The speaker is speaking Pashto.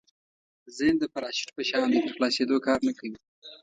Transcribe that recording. ذهن د پراشوټ په شان دی تر خلاصېدو کار نه کوي.